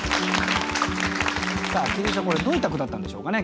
麒麟さんこれどういった句だったんでしょうかね。